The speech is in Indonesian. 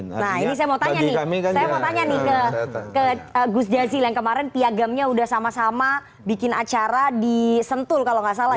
nah ini saya mau tanya nih saya mau tanya nih ke gus jazil yang kemarin piagamnya udah sama sama bikin acara di sentul kalau nggak salah ya